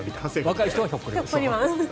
若い人はひょっこりはん。